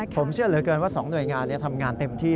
ผมเชื่อเหลือเกินว่า๒หน่วยงานทำงานเต็มที่